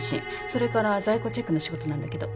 それから在庫チェックの仕事なんだけど。